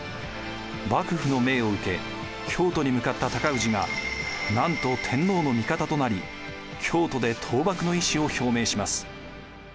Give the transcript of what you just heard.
幕府の命を受け京都に向かった高氏がなんと天皇の味方となり京都で倒幕の意思を表明します。